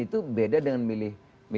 itu beda dengan milih